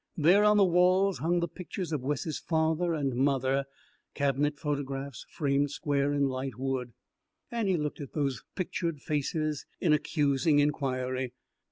There on the walls hung the pictures of Wes's father and mother, cabinet photographs framed square in light wood. Annie looked at those pictured faces in accusing inquiry.